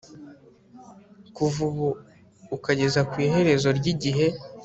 Kuva ubu ukageza ku iherezo ryigihe